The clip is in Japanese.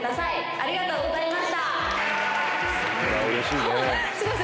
ありがとうございます。